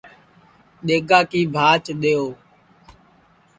دؔیگا کی بھاچ دؔیو